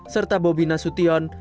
serta bobi nasution